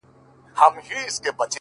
او خبرو باندي سر سو ـ